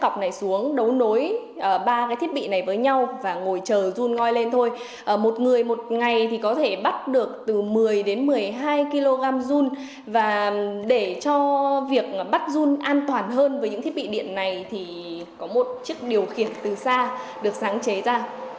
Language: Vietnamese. cho việc bắt dung an toàn hơn với những thiết bị điện này thì có một chiếc điều khiển từ xa được sáng chế ra